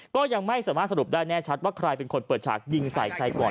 ก็ยังไม่สามารถสรุปได้แน่ชัดว่าใครเป็นคนเปิดฉากยิงใส่ใครก่อน